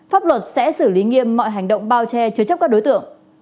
pháp luật sẽ xử lý nghiêm mọi hành động bao che chứa chấp các đối tượng